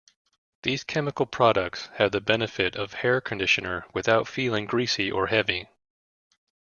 These chemical products have the benefits of hair conditioner without feeling greasy or heavy.